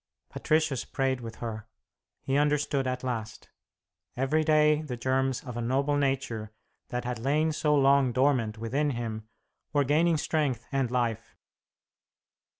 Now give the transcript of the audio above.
Patricius prayed with her; he understood at last. Every day the germs of a noble nature that had lain so long dormant within him were gaining strength and life.